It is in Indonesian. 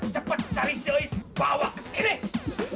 cepet cari si ranggat bawa ke sini